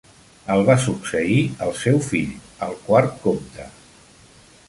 El va succeir el seu fill, el quart comte.